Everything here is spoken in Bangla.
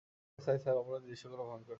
এসআই স্যার, অপরাধের দৃশ্যগুলো ভয়ংকর।